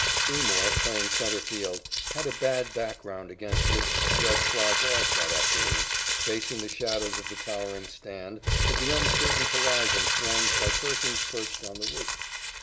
Seymour, playing centre field, had a bad background against which to judge fly balls that afternoon, facing the shadows of the towering stand, with the uncertain horizon formed by persons perched on the roof.